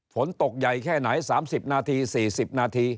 ฝนตกใหญ่แค่ไหน๓๐นาที๔๐นาที